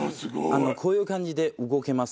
こういう感じで動けます。